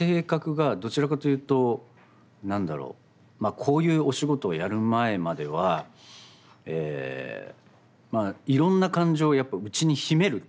こういうお仕事をやる前まではいろんな感情を内に秘めるタイプ。